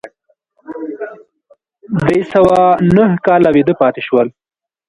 درې سوه نهه کاله ویده پاتې شول.